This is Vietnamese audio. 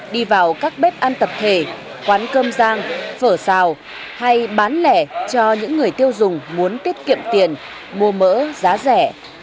đi vào các bếp ăn tập thể quán cơm giang phở xào hay bán lẻ cho những người tiêu dùng muốn tiết kiệm tiền mua mỡ giá rẻ